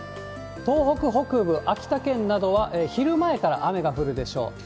東北北部、秋田県などは、昼前から雨が降るでしょう。